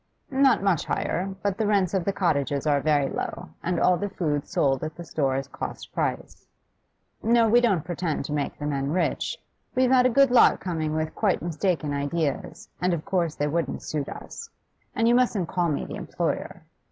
'Not much higher, but the rents of the cottages are very low, and all the food sold at the store is cost price. No, we don't pretend to make the men rich. We've had a good lot coming with quite mistaken ideas, and of course they wouldn't suit us. And you mustn't call me the employer.